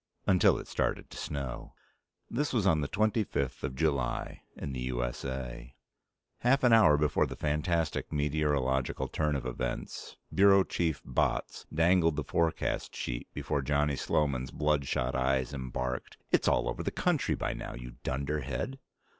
Until it started to snow. This was on the twenty fifth of July in the U.S.A.... Half an hour before the fantastic meteorological turn of events, Bureau Chief Botts dangled the forecast sheet before Johnny Sloman's bloodshot eyes and barked, "It's all over the country by now, you dunderhead!"